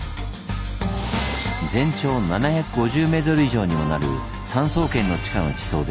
全長７５０ｍ以上にもなる産総研の地下の地層です。